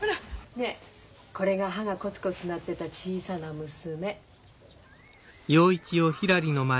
ねえこれが歯がコツコツ鳴ってた小さな娘。